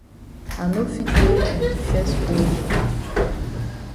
I no fit wey you di fes owe me.